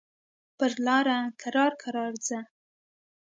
پر لاره کرار کرار ځه.